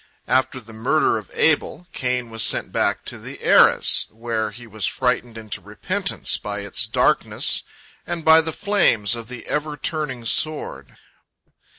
After the murder of Abel, Cain was sent back to the Erez, where he was frightened into repentance by its darkness and by the flames of the ever turning sword.